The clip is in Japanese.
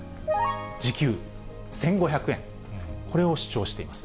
時給１５００円、これを主張しています。